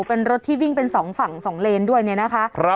เป็นรถที่วิ่งเป็น๒ฝั่ง๒เลนด้วยเนี่ยนะคะ